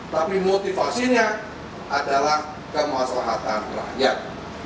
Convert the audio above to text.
tapi motivasinya adalah kemaslahatan rakyat